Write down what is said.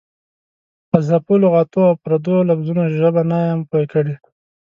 فلسفو، لغاتو او پردو لفظونو ژبو نه یم پوه کړی.